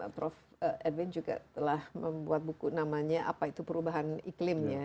prof edwin juga telah membuat buku namanya apa itu perubahan iklim ya